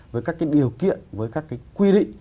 với các cái điều kiện với các cái quy định